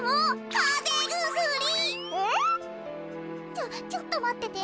ちょちょっとまってて。